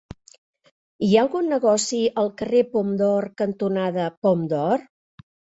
Hi ha algun negoci al carrer Pom d'Or cantonada Pom d'Or?